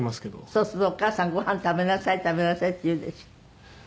そうするとお母さん「ごはん食べなさい食べなさい」って言うでしょ？